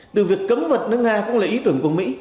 từ việc cấm vật nước nga cũng là ý tưởng của mỹ